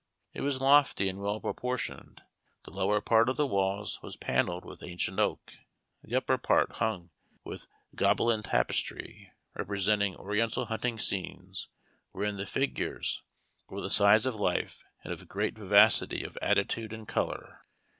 It was lofty and well proportioned; the lower part of the walls was panelled with ancient oak, the upper part hung with gobelin tapestry, representing oriental hunting scenes, wherein the figures were of the size of life, and of great vivacity of attitude and color.